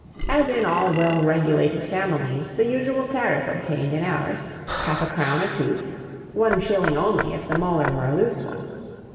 As in all well regulated families, the usual tariff obtained in ours, half a crown a tooth; one shilling only if the molar were a loose one.